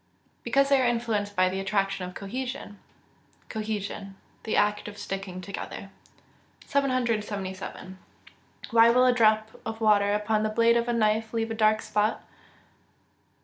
_ Because they are influenced by the attraction of cohesion. Cohesion. The act of sticking together. 777. _Why will a drop of water upon the blade of a knife leave a dark spot?